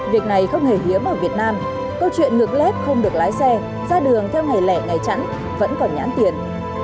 việc này không hề hiếm ở việt nam câu chuyện ngược lép không được lái xe ra đường theo ngày lẻ ngày chẵn vẫn còn nhãn tiền